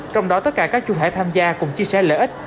trong đó tất cả các chú thải tham gia cùng chia sẻ lợi ích